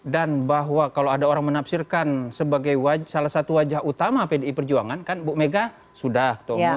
dan bahwa kalau ada orang menafsirkan sebagai salah satu wajah utama pdi perjuangan kan bu mega sudah